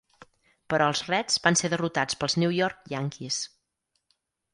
Però els Reds van ser derrotats pels New York Yankees.